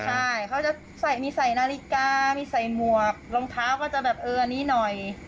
ใช่เขาจะมีใส่นาฬิกามีใส่หมวกรองเท้าก็จะแบบเอออันนี้หน่อย